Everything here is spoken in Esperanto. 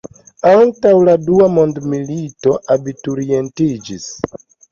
Antaŭ la dua mondmilito abiturientiĝis.